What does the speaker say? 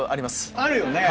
あるよね。